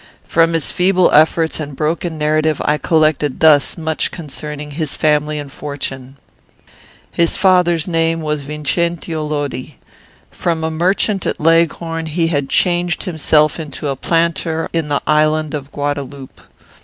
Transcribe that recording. From his feeble efforts and broken narrative I collected thus much concerning his family and fortune. "His father's name was Vincentio Lodi. From a merchant at Leghorn, he had changed himself into a planter in the island of Guadaloupe.